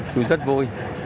tôi rất vui